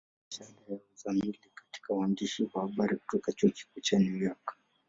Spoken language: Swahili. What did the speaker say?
Alipata shahada ya uzamili katika uandishi wa habari kutoka Chuo Kikuu cha New York.